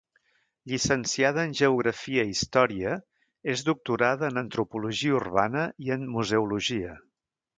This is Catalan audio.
Llicenciada en geografia i història, és doctorada en antropologia urbana i en museologia.